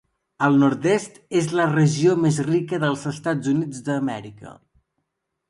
El Nord-est és la regió més rica dels Estats Units d'Amèrica.